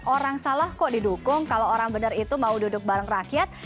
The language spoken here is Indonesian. orang salah kok didukung kalau orang benar itu mau duduk bareng rakyat